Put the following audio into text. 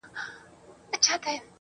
او په کال کي يو مليارډ افغانۍ دي